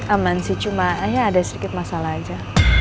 aman sih cuma hanya ada sedikit masalah aja